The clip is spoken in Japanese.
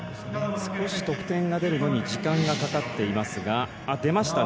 少し得点が出るのに時間がかかっていますが出ましたね。